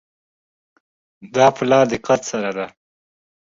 دا په لا دقت سره ده.